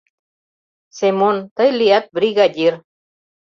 «Семон, тый лият бригадир